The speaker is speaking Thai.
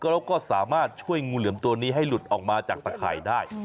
แล้วก็สามารถช่วยงูเหลือมตัวนี้ให้หลุดออกมาจากตะข่ายได้